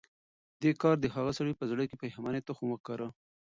دې کار د هغه سړي په زړه کې د پښېمانۍ تخم وکره.